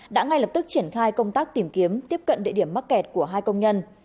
đã ngay lập tức triển khai công tác tìm kiếm tiếp cận địa điểm mắc kẹt của hai công nhân